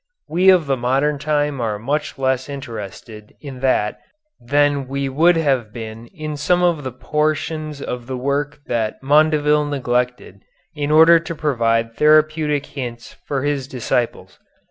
We of the modern time are much less interested in that than we would have been in some of the portions of the work that Mondeville neglected in order to provide therapeutic hints for his disciples.